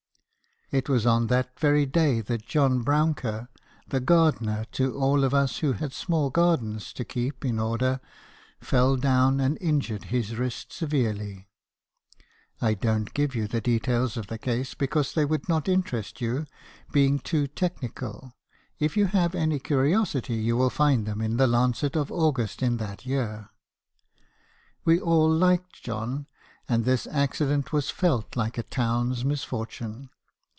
"It was on that very day that John Broun cker, the gardener to all of us who had small gardens to keep in order, fell down and injured his wrist severely (I don't give you the details of the case, because they would not interest you, being too tech nical; if you've any curiosity, you will find them in the Lancet of August in that year.) We all liked John, and this accident was felt like a town's misfortune.